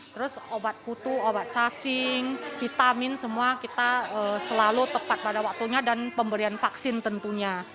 terus obat kutu obat cacing vitamin semua kita selalu tepat pada waktunya dan pemberian vaksin tentunya